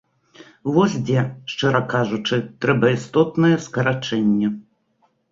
Вось дзе, шчыра кажучы, трэба істотнае скарачэнне.